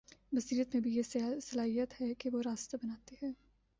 بصیرت میں بھی یہ صلاحیت ہے کہ وہ راستہ بناتی ہے۔